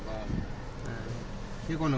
phát triển xe